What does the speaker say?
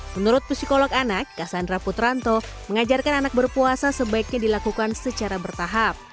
menurut psikolog anak kassandra putranto mengajarkan anak berpuasa sebaiknya dilakukan secara bertahap